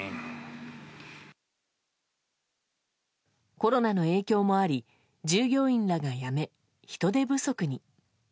コロナの影響もあり従業員らが辞め、人手不足に。